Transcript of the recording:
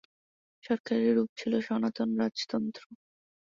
সরকারের রূপ ছিল সনাতন রাজতন্ত্র।